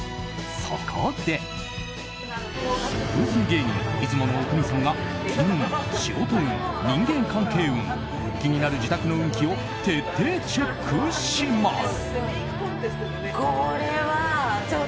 そこで風水芸人・出雲阿国さんが金運、仕事運、人間関係運気になる自宅の運気を徹底チェックします。